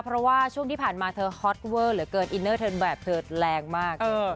เพราะว่าช่วงที่ผ่านมาเธอฮอตเวอร์เหลือเกินอินเนอร์เทินแบบเธอแรงมาก